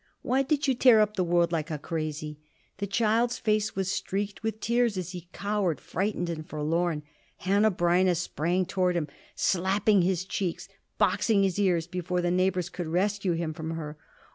Why did you tear up the world like a crazy?" The child's face was streaked with tears as he cowered, frightened and forlorn. Hanneh Breineh sprang toward him, slapping his cheeks, boxing his ears, before the neighbors could rescue him from her.